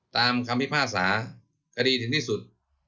ตามความพิพาสาห์กดีถึงที่สุด